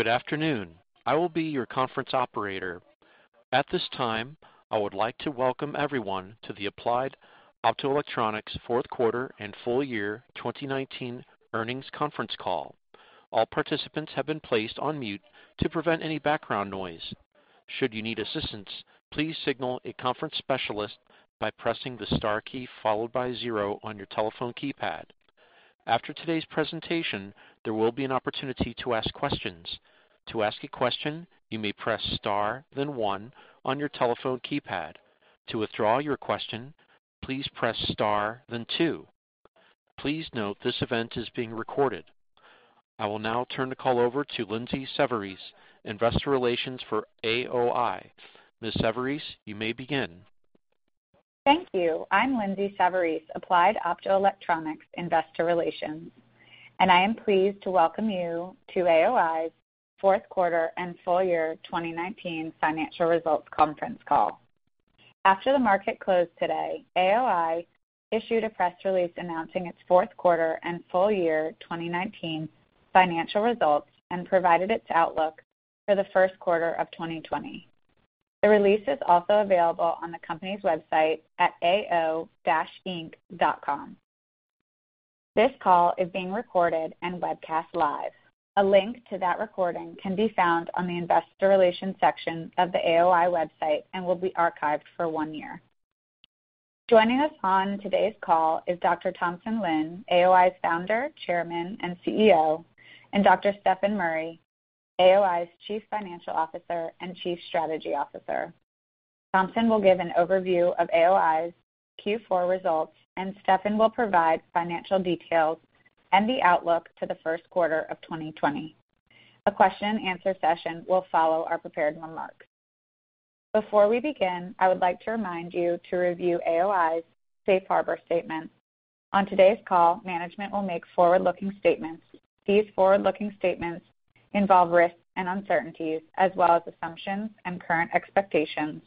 Good afternoon. I will be your conference operator. At this time, I would like to welcome everyone to the Applied Optoelectronics Fourth Quarter and Full Year 2019 Earnings Conference Call. All participants have been placed on mute to prevent any background noise. Should you need assistance, please signal a conference specialist by pressing the star key followed by zero on your telephone keypad. After today's presentation, there will be an opportunity to ask questions. To ask a question, you may press star then one on your telephone keypad. To withdraw your question, please press star then two. Please note this event is being recorded. I will now turn the call over to Lindsay Savarese, investor relations for AOI. Ms. Savarese, you may begin. Thank you. I'm Lindsay Savarese, Applied Optoelectronics investor relations, I am pleased to welcome you to AOI's fourth quarter and full year 2019 financial results conference call. After the market closed today, AOI issued a press release annnouncing its fourth quarter and full year 2019 financial results and provided its outlook for the first quarter of 2020. The release is also available on the company's website at ao-inc.com. This call is being recorded and webcast live. A link to that recording can be found on the investor relations section of the AOI website and will be archived for one year. Joining us on today's call is Dr. Thompson Lin, AOI's Founder, Chairman, and CEO, Dr. Stefan Murry, AOI's Chief Financial Officer and Chief Strategy Officer. Thompson will give an overview of AOI's Q4 results, and Stefan will provide financial details and the outlook for the first quarter of 2020. A question and answer session will follow our prepared remarks. Before we begin, I would like to remind you to review AOI's safe harbor statement. On today's call, management will make forward-looking statements. These forward-looking statements involve risks and uncertainties as well as assumptions and current expectations,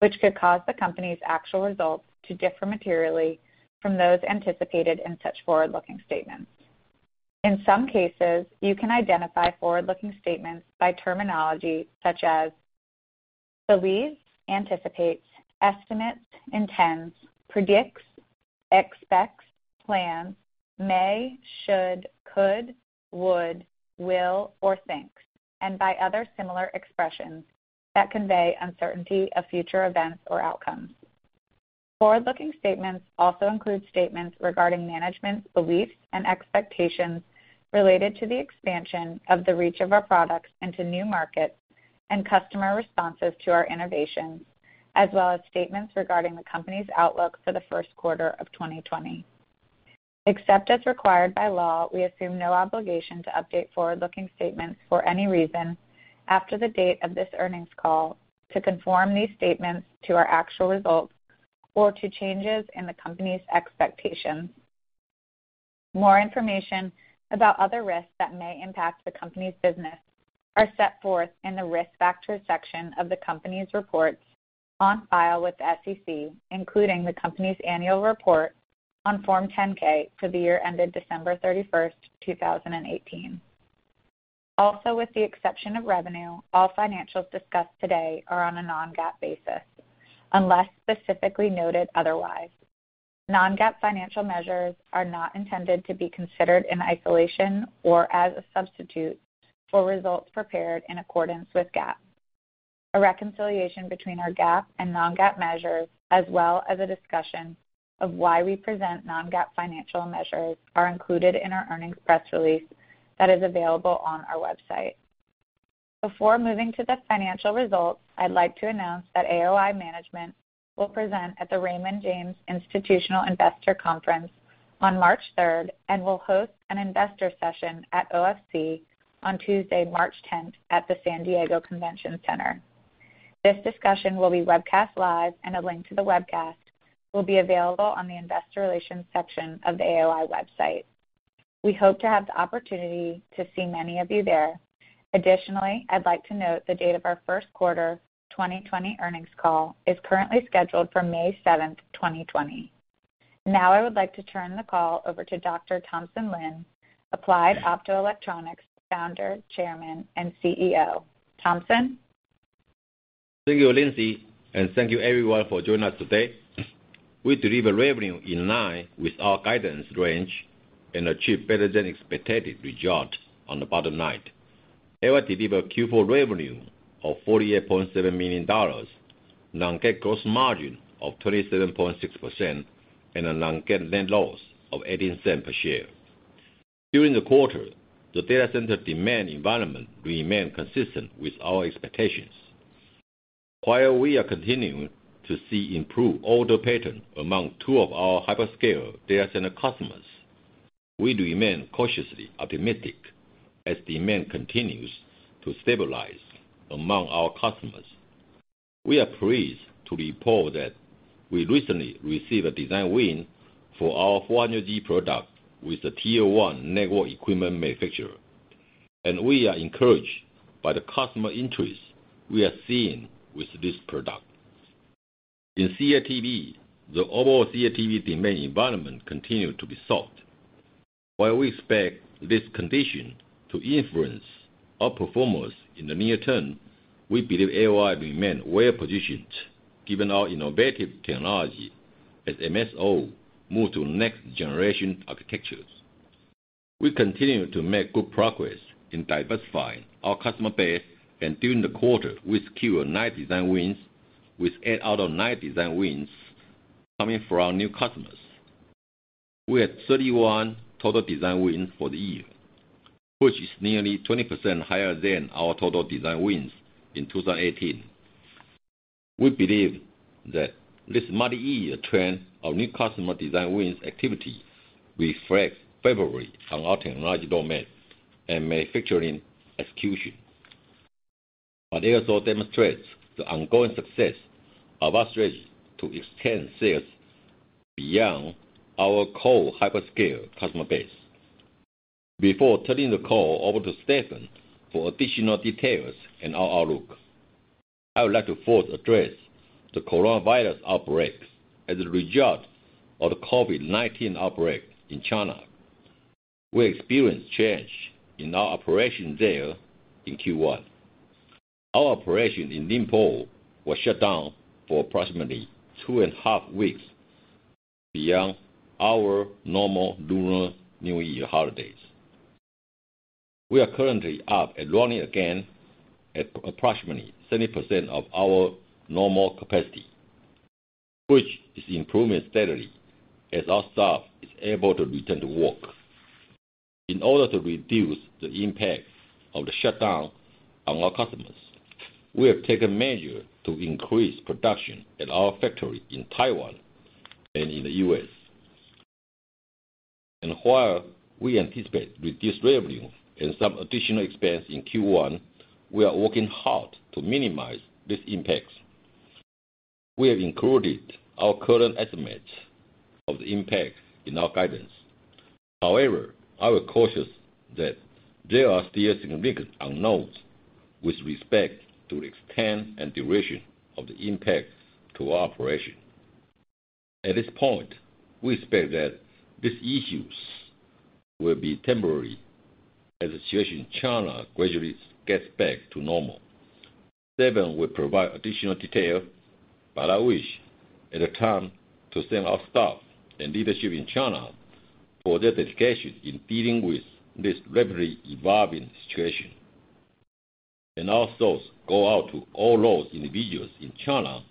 which could cause the company's actual results to differ materially from those anticipated in such forward-looking statements. In some cases, you can identify forward-looking statements by terminology such as believes, anticipates, estimates, intends, predicts, expects, plans, may, should, could, would, will, or thinks, and by other similar expressions that convey uncertainty of future events or outcomes. Forward-looking statements also include statements regarding management's beliefs and expectations related to the expansion of the reach of our products into new markets and customer responses to our innovations, as well as statements regarding the company's outlook for the first quarter of 2020. Except as required by law, we assume no obligation to update forward-looking statements for any reason after the date of this earnings call to conform these statements to our actual results or to changes in the company's expectations. More information about other risks that may impact the company's business are set forth in the risk factors section of the company's reports on file with the SEC, including the company's annual report on Form 10-K for the year ended December 31st, 2018. Also, with the exception of revenue, all financials discussed today are on a non-GAAP basis, unless specifically noted otherwise. Non-GAAP financial measures are not intended to be considered in isolation or as a substitute for results prepared in accordance with GAAP. A reconciliation between our GAAP and non-GAAP measures, as well as a discussion of why we present non-GAAP financial measures, are included in our earnings press release that is available on our website. Before moving to the financial results, I'd like to announce that AOI management will present at the Raymond James Institutional Investor Conference on March 3rd and will host an investor session at OFC on Tuesday, March 10th, at the San Diego Convention Center. This discussion will be webcast live and a link to the webcast will be available on the investor relations section of the AOI website. We hope to have the opportunity to see many of you there. Additionally, I'd like to note the date of our first quarter 2020 earnings call is currently scheduled for May 7th, 2020. Now I would like to turn the call over to Dr. Thompson Lin, Applied Optoelectronics Founder, Chairman, and CEO. Thompson? Thank you, Lindsay, and thank you everyone for joining us today. We deliver revenue in line with our guidance range and achieve better than expected results on the bottom line. AOI delivered Q4 revenue of $48.7 million, non-GAAP gross margin of 27.6%, and a non-GAAP net loss of $0.18 per share. During the quarter, the data center demand environment remained consistent with our expectations. While we are continuing to see improved order pattern among two of our hyperscale data center customers, we remain cautiously optimistic as demand continues to stabilize among our customers. We are pleased to report that we recently received a design win for our 400G product with a Tier 1 network equipment manufacturer, and we are encouraged by the customer interest we are seeing with this product. In CATV, the overall CATV demand environment continued to be soft. While we expect this condition to influence our performance in the near term, we believe AOI remain well-positioned given our innovative technology as MSO move to next-generation architectures. We continue to make good progress in diversifying our customer base, and during the quarter, we secured nine design wins, with eight out of nine design wins coming from new customers. We had 31 total design wins for the year, which is nearly 20% higher than our total design wins in 2018. We believe that this multi-year trend of new customer design wins activity reflects favorably on our technology roadmap and manufacturing execution, but also demonstrates the ongoing success of our strategy to extend sales beyond our core hyperscale customer base. Before turning the call over to Stefan for additional details and our outlook, I would like to first address the coronavirus outbreak. As a result of the COVID-19 outbreak in China, we experienced change in our operations there in Q1. Our operation in Ningbo was shut down for approximately two and a half weeks beyond our normal Lunar New Year holidays. We are currently up and running again at approximately 70% of our normal capacity, which is improving steadily as our staff is able to return to work. In order to reduce the impact of the shutdown on our customers, we have taken measures to increase production at our factory in Taiwan and in the U.S. While we anticipate reduced revenue and some additional expense in Q1, we are working hard to minimize these impacts. We have included our current estimates of the impact in our guidance. However, I will caution that there are still significant unknowns with respect to the extent and duration of the impact to our operation. At this point, we expect that these issues will be temporary as the situation in China gradually gets back to normal. Stefan will provide additional detail. I wish at the time to thank our staff and leadership in China for their dedication in dealing with this rapidly evolving situation. Our thoughts go out to all those individuals in China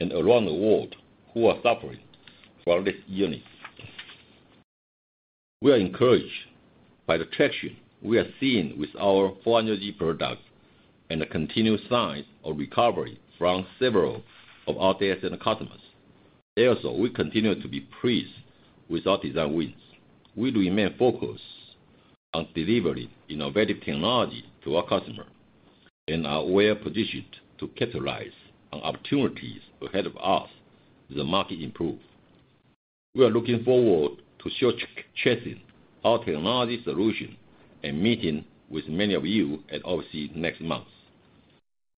and around the world who are suffering from this illness. We are encouraged by the traction we are seeing with our 400G products and the continued signs of recovery from several of our data center customers. Also, we continue to be pleased with our design wins. We remain focused on delivering innovative technology to our customer and are well-positioned to capitalize on opportunities ahead of us as the market improve. We are looking forward to showcasing our technology solution and meeting with many of you at OFC next month.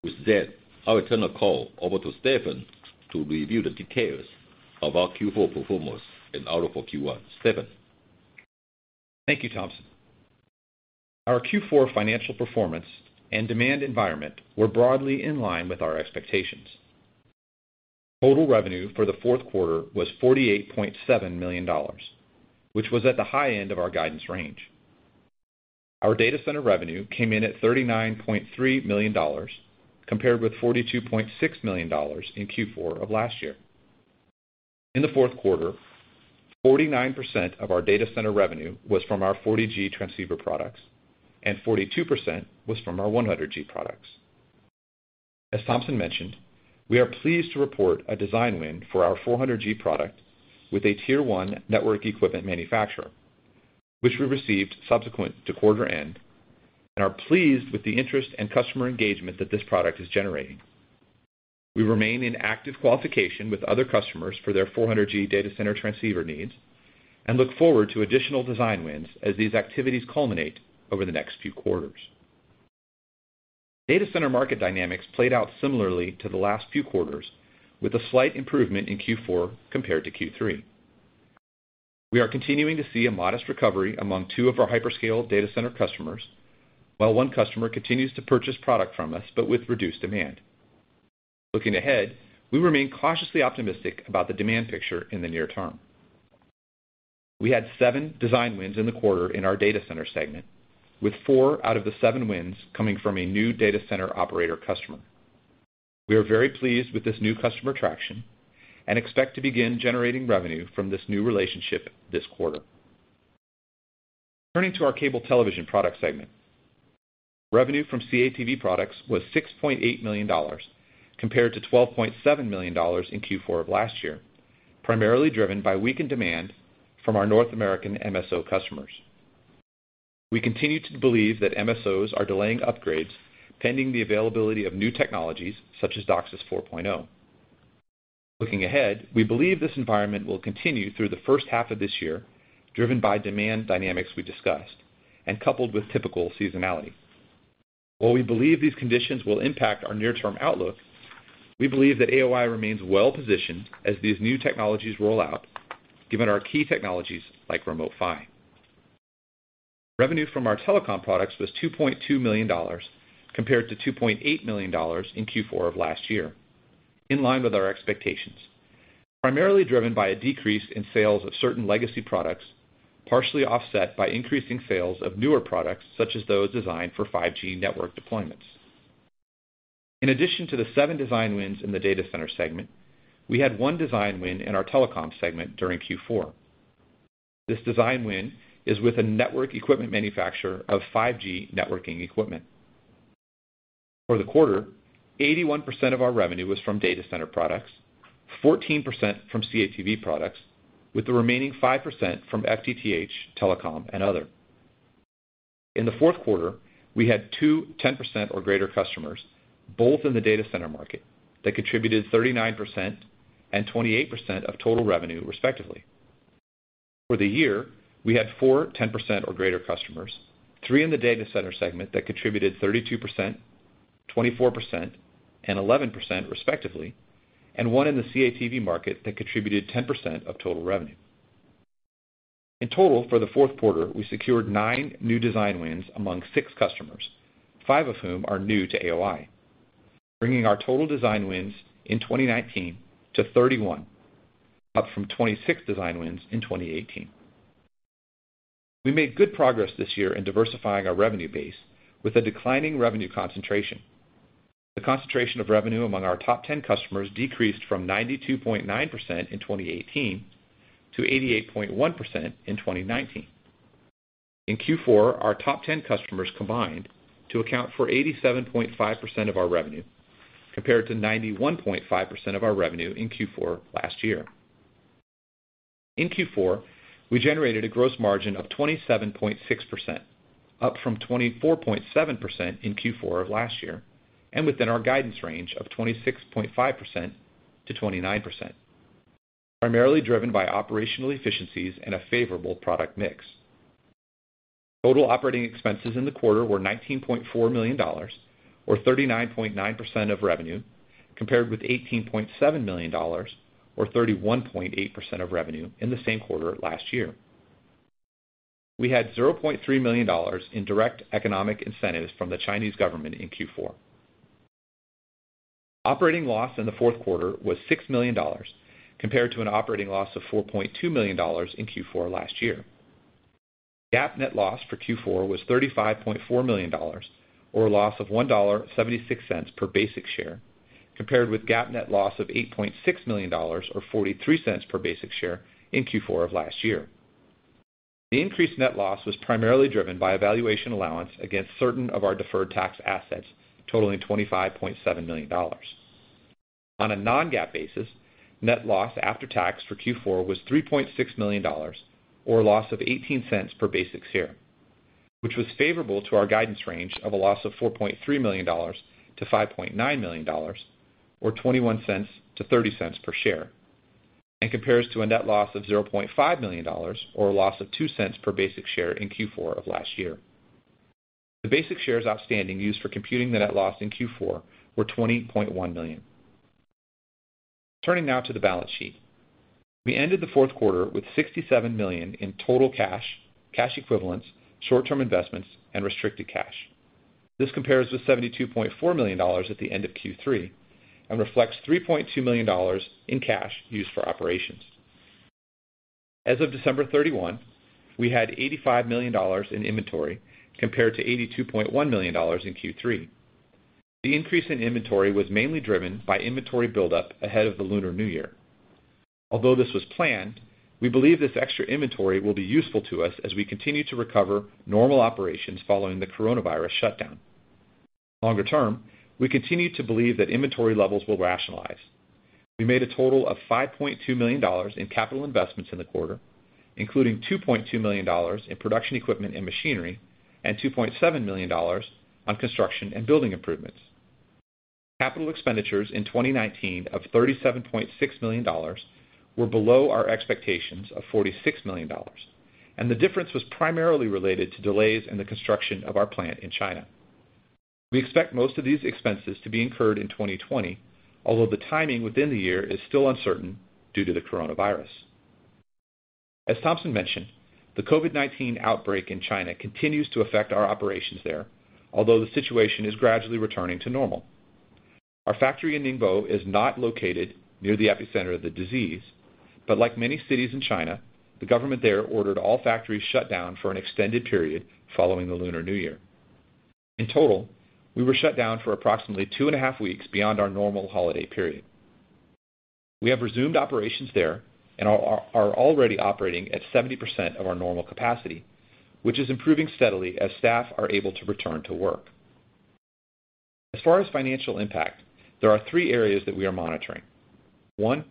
With that, I will turn the call over to Stefan to review the details of our Q4 performance and outlook for Q1. Stefan? Thank you, Thompson. Our Q4 financial performance and demand environment were broadly in line with our expectations. Total revenue for the fourth quarter was $48.7 million, which was at the high end of our guidance range. Our data center revenue came in at $39.3 million, compared with $42.6 million in Q4 of last year. In the fourth quarter, 49% of our data center revenue was from our 40G transceiver products and 42% was from our 100G products. As Thompson mentioned, we are pleased to report a design win for our 400G product with a Tier 1 network equipment manufacturer, which we received subsequent to quarter end, and are pleased with the interest and customer engagement that this product is generating. We remain in active qualification with other customers for their 400G data center transceiver needs and look forward to additional design wins as these activities culminate over the next few quarters. Data center market dynamics played out similarly to the last few quarters, with a slight improvement in Q4 compared to Q3. We are continuing to see a modest recovery among two of our hyperscale data center customers, while one customer continues to purchase product from us but with reduced demand. Looking ahead, we remain cautiously optimistic about the demand picture in the near term. We had seven design wins in the quarter in our data center segment, with four out of the seven wins coming from a new data center operator customer. We are very pleased with this new customer traction and expect to begin generating revenue from this new relationship this quarter. Turning to our cable television product segment. Revenue from CATV products was $6.8 million compared to $12.7 million in Q4 of last year, primarily driven by weakened demand from our North American MSO customers. We continue to believe that MSOs are delaying upgrades, pending the availability of new technologies such as DOCSIS 4.0. Looking ahead, we believe this environment will continue through the first half of this year, driven by demand dynamics we discussed and coupled with typical seasonality. While we believe these conditions will impact our near-term outlook, we believe that AOI remains well-positioned as these new technologies roll out given our key technologies like Remote PHY. Revenue from our telecom products was $2.2 million compared to $2.8 million in Q4 of last year, in line with our expectations. Primarily driven by a decrease in sales of certain legacy products, partially offset by increasing sales of newer products, such as those designed for 5G network deployments. In addition to the seven design wins in the data center segment, we had one design win in our telecom segment during Q4. This design win is with a network equipment manufacturer of 5G networking equipment. For the quarter, 81% of our revenue was from data center products, 14% from CATV products, with the remaining 5% from FTTH telecom and other. In the fourth quarter, we had two 10% or greater customers, both in the data center market, that contributed 39% and 28% of total revenue respectively. For the year, we had four 10% or greater customers, three in the data center segment that contributed 32%, 24% and 11% respectively, and one in the CATV market that contributed 10% of total revenue. In total, for the fourth quarter, we secured nine new design wins among six customers, five of whom are new to AOI, bringing our total design wins in 2019 to 31, up from 26 design wins in 2018. We made good progress this year in diversifying our revenue base with a declining revenue concentration. The concentration of revenue among our top 10 customers decreased from 92.9% in 2018 to 88.1% in 2019. In Q4, our top 10 customers combined to account for 87.5% of our revenue, compared to 91.5% of our revenue in Q4 last year. In Q4, we generated a gross margin of 27.6%, up from 24.7% in Q4 of last year, and within our guidance range of 26.5%-29%, primarily driven by operational efficiencies and a favorable product mix. Total operating expenses in the quarter were $19.4 million, or 39.9% of revenue, compared with $18.7 million, or 31.8% of revenue in the same quarter last year. We had $0.3 million in direct economic incentives from the Chinese government in Q4. Operating loss in the fourth quarter was $6 million, compared to an operating loss of $4.2 million in Q4 last year. GAAP net loss for Q4 was $35.4 million, or a loss of $1.76 per basic share, compared with GAAP net loss of $8.6 million, or $0.43 per basic share in Q4 of last year. The increased net loss was primarily driven by a valuation allowance against certain of our deferred tax assets totaling $25.7 million. On a non-GAAP basis, net loss after tax for Q4 was $3.6 million, or a loss of $0.18 per basic share, which was favorable to our guidance range of a loss of $4.3 million to $5.9 million, or $0.21-$0.30 per share, and compares to a net loss of $0.5 million, or a loss of $0.02 per basic share in Q4 of last year. The basic shares outstanding used for computing the net loss in Q4 were 20.1 million. Turning now to the balance sheet. We ended the fourth quarter with $67 million in total cash equivalents, short-term investments, and restricted cash. This compares with $72.4 million at the end of Q3 and reflects $3.2 million in cash used for operations. As of December 31, we had $85 million in inventory compared to $82.1 million in Q3. The increase in inventory was mainly driven by inventory buildup ahead of the Lunar New Year. Although this was planned, we believe this extra inventory will be useful to us as we continue to recover normal operations following the coronavirus shutdown. Longer term, we continue to believe that inventory levels will rationalize. We made a total of $5.2 million in capital investments in the quarter, including $2.2 million in production equipment and machinery and $2.7 million on construction and building improvements. Capital expenditures in 2019 of $37.6 million were below our expectations of $46 million. The difference was primarily related to delays in the construction of our plant in China. We expect most of these expenses to be incurred in 2020, although the timing within the year is still uncertain due to the coronavirus. As Thompson mentioned, the COVID-19 outbreak in China continues to affect our operations there, although the situation is gradually returning to normal. Our factory in Ningbo is not located near the epicenter of the disease, like many cities in China, the government there ordered all factories shut down for an extended period following the Lunar New Year. In total, we were shut down for approximately two and a half weeks beyond our normal holiday period. We have resumed operations there are already operating at 70% of our normal capacity, which is improving steadily as staff are able to return to work. As far as financial impact, there are three areas that we are monitoring. One,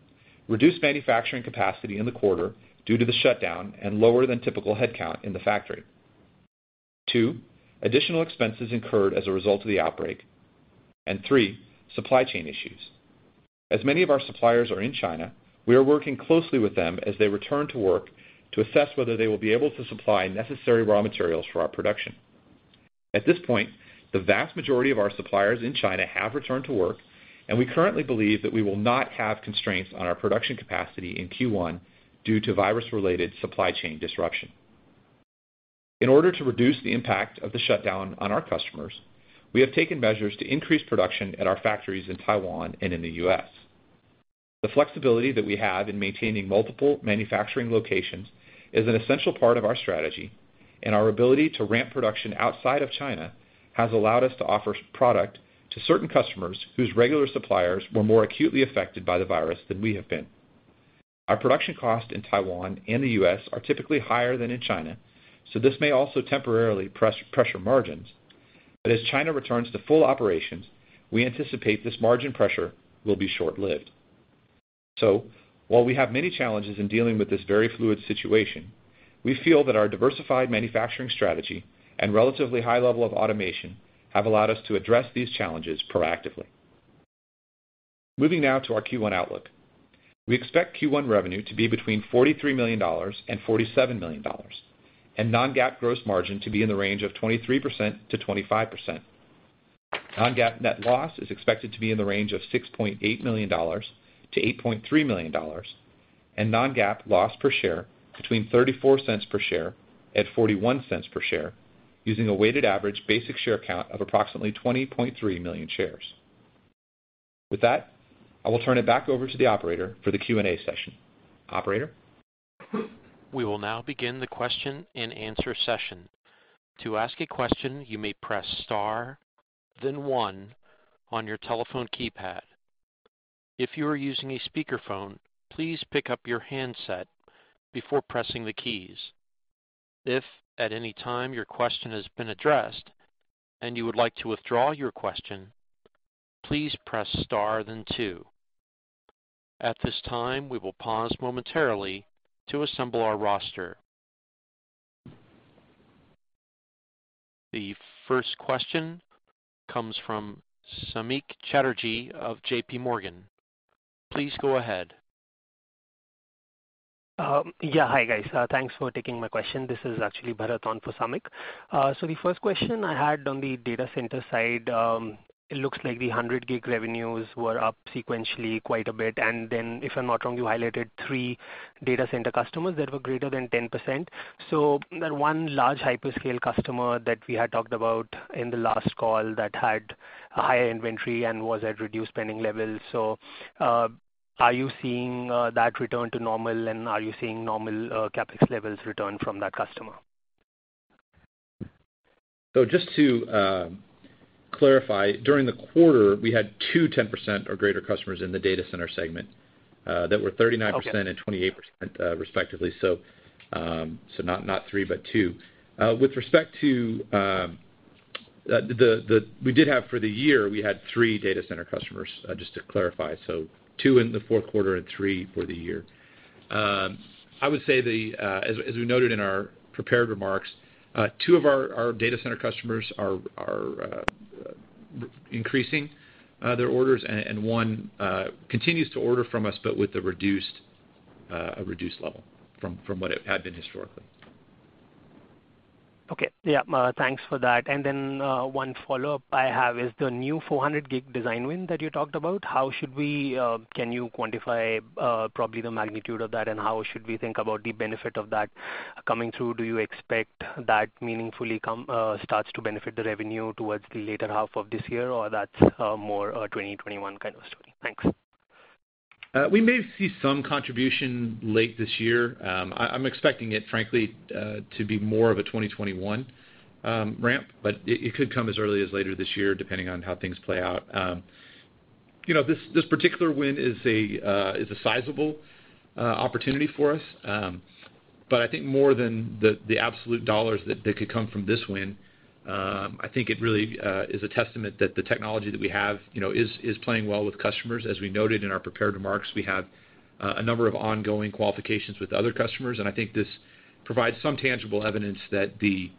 reduced manufacturing capacity in the quarter due to the shutdown and lower than typical headcount in the factory. Two, additional expenses incurred as a result of the outbreak. Three, supply chain issues. As many of our suppliers are in China, we are working closely with them as they return to work to assess whether they will be able to supply necessary raw materials for our production. At this point, the vast majority of our suppliers in China have returned to work, and we currently believe that we will not have constraints on our production capacity in Q1 due to virus-related supply chain disruption. In order to reduce the impact of the shutdown on our customers, we have taken measures to increase production at our factories in Taiwan and in the U.S. The flexibility that we have in maintaining multiple manufacturing locations is an essential part of our strategy. Our ability to ramp production outside of China has allowed us to offer product to certain customers whose regular suppliers were more acutely affected by the virus than we have been. Our production cost in Taiwan and the U.S. are typically higher than in China. This may also temporarily pressure margins. As China returns to full operations, we anticipate this margin pressure will be short-lived. While we have many challenges in dealing with this very fluid situation, we feel that our diversified manufacturing strategy and relatively high level of automation have allowed us to address these challenges proactively. Moving now to our Q1 outlook. We expect Q1 revenue to be between $43 million and $47 million, and non-GAAP gross margin to be in the range of 23%-25%. Non-GAAP net loss is expected to be in the range of $6.8 million-$8.3 million, and Non-GAAP loss per share between $0.34 per share and $0.41 per share, using a weighted average basic share count of approximately 20.3 million shares. With that, I will turn it back over to the operator for the Q&A session. Operator? We will now begin the question and answer session. To ask a question, you may press star, then one on your telephone keypad. If you are using a speakerphone, please pick up your handset before pressing the keys. If at any time your question has been addressed and you would like to withdraw your question, please press star, then two. At this time, we will pause momentarily to assemble our roster. The first question comes from Samik Chatterjee of JPMorgan. Please go ahead. Yeah. Hi, guys. Thanks for taking my question. This is actually Bharat on for Samik. The first question I had on the data center side, it looks like the 100G revenues were up sequentially quite a bit, and then, if I'm not wrong, you highlighted three data center customers that were greater than 10%. That one large hyperscale customer that we had talked about in the last call that had a higher inventory and was at reduced spending levels. Are you seeing that return to normal, and are you seeing normal CapEx levels return from that customer? Just to clarify, during the quarter, we had two 10% or greater customers in the data center segment, that were 39%. Okay 28%, respectively. Not three, but two. We did have for the year, we had three data center customers, just to clarify. Two in the fourth quarter and three for the year. I would say as we noted in our prepared remarks, two of our data center customers are increasing their orders, and one continues to order from us, but with a reduced level from what it had been historically. Okay. Yeah. Thanks for that. Then, one follow-up I have is the new 400G design win that you talked about. Can you quantify probably the magnitude of that, and how should we think about the benefit of that coming through? Do you expect that meaningfully starts to benefit the revenue towards the later half of this year, or that's more a 2021 kind of story? Thanks. We may see some contribution late this year. I'm expecting it, frankly, to be more of a 2021 ramp, but it could come as early as later this year, depending on how things play out. This particular win is a sizable opportunity for us. I think more than the absolute dollars that could come from this win, I think it really is a testament that the technology that we have is playing well with customers. As we noted in our prepared remarks, we have a number of ongoing qualifications with other customers, and I think this provides some tangible evidence that the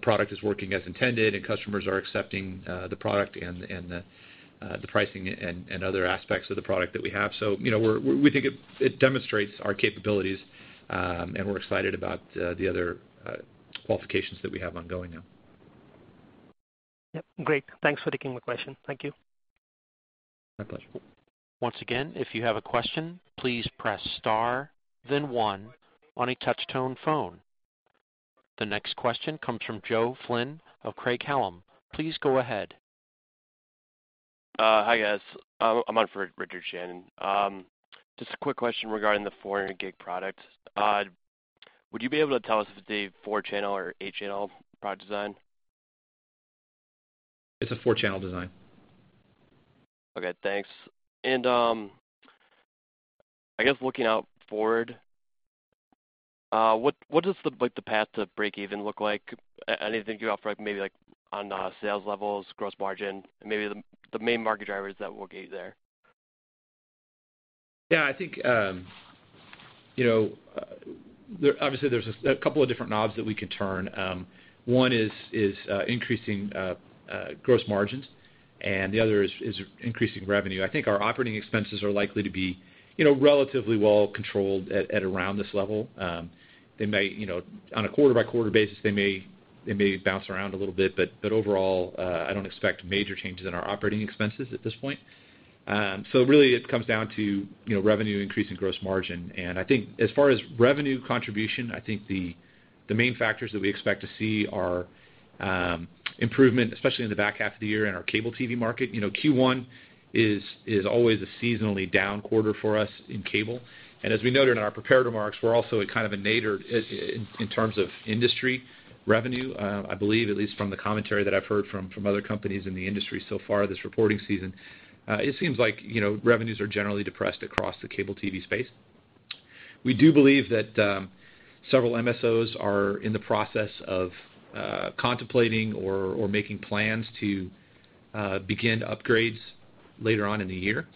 product is working as intended and customers are accepting the product and the pricing and other aspects of the product that we have. We think it demonstrates our capabilities, and we're excited about the other qualifications that we have ongoing now. Yep. Great. Thanks for taking my question. Thank you. My pleasure. Once again, if you have a question, please press star, then one on a touch-tone phone. The next question comes from Joe Flynn of Craig-Hallum. Please go ahead. Hi, guys. I'm on for Richard Shannon. Just a quick question regarding the 400G product. Would you be able to tell us if it's a four-channel or eight-channel product design? It's a four-channel design. Okay, thanks. I guess looking out forward, what does the path to breakeven look like? Anything to offer maybe on sales levels, gross margin, maybe the main market drivers that will get you there? Yeah, I think, obviously, there's a couple of different knobs that we can turn. One is increasing gross margins, and the other is increasing revenue. I think our operating expenses are likely to be relatively well-controlled at around this level. On a quarter-by-quarter basis, they may bounce around a little bit, but overall, I don't expect major changes in our operating expenses at this point. Really it comes down to revenue increase and gross margin. I think as far as revenue contribution, I think the main factors that we expect to see are improvement, especially in the back half of the year in our cable TV market. Q1 is always a seasonally down quarter for us in cable. As we noted in our prepared remarks, we're also at kind of a nadir in terms of industry revenue. I believe, at least from the commentary that I've heard from other companies in the industry so far this reporting season, it seems like revenues are generally depressed across the cable TV space. We do believe that several MSOs are in the process of contemplating or making plans to begin upgrades later on in the year.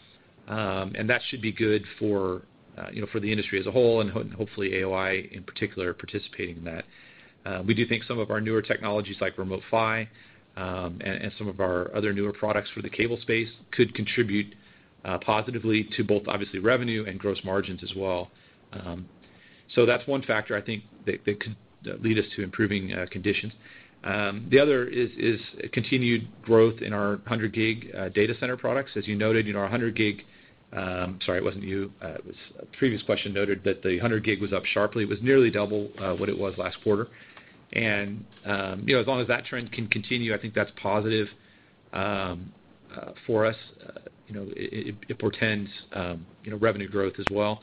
That should be good for the industry as a whole and, hopefully, AOI in particular participating in that. We do think some of our newer technologies, like R-PHY, and some of our other newer products for the cable space could contribute positively to both, obviously, revenue and gross margins as well. That's one factor, I think, that could lead us to improving conditions. The other is continued growth in our 100G data center products. As you noted, our 100G-- Sorry, it wasn't you. It was a previous question noted that the 100G was up sharply. It was nearly double what it was last quarter. As long as that trend can continue, I think that's positive for us. It portends revenue growth as well.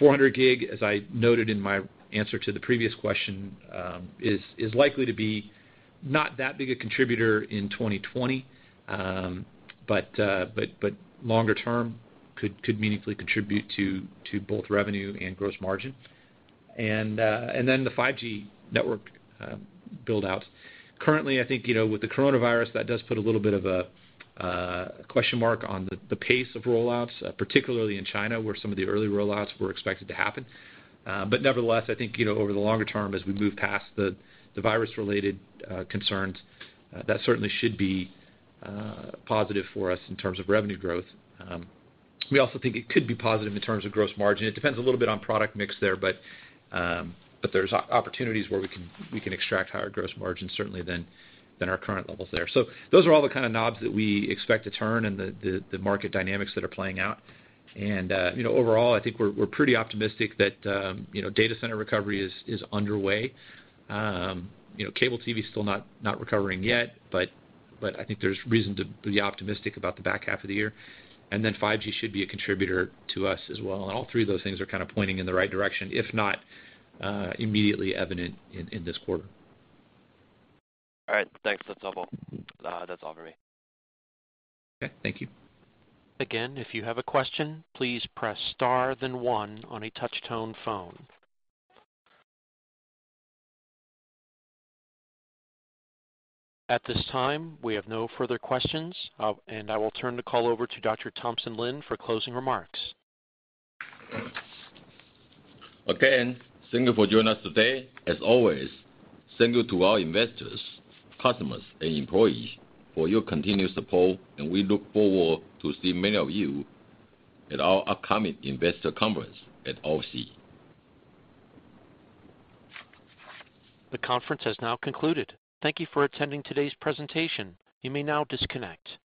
400G, as I noted in my answer to the previous question, is likely to be not that big a contributor in 2020, but longer term, could meaningfully contribute to both revenue and gross margin. Then the 5G network build-out. Currently, I think with the coronavirus, that does put a little bit of a question mark on the pace of roll-outs, particularly in China, where some of the early roll-outs were expected to happen. Nevertheless, I think over the longer term, as we move past the virus-related concerns, that certainly should be positive for us in terms of revenue growth. We also think it could be positive in terms of gross margin. It depends a little bit on product mix there, but there's opportunities where we can extract higher gross margins, certainly than our current levels there. Those are all the kind of knobs that we expect to turn and the market dynamics that are playing out. Overall, I think we're pretty optimistic that data center recovery is underway. Cable TV's still not recovering yet, but I think there's reason to be optimistic about the back half of the year. Then 5G should be a contributor to us as well. All three of those things are kind of pointing in the right direction, if not immediately evident in this quarter. All right. Thanks. That's all for me. Okay. Thank you. Again, if you have a question, please press star then one on a touch-tone phone. At this time, we have no further questions, and I will turn the call over to Dr. Thompson Lin for closing remarks. Again, thank you for joining us today. As always, thank you to our investors, customers, and employees for your continued support, and we look forward to see many of you at our upcoming investor conference at OFC. The conference has now concluded. Thank you for attending today's presentation. You may now disconnect.